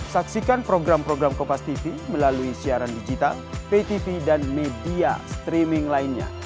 saksikan program program kompastv melalui siaran digital ptv dan media streaming lainnya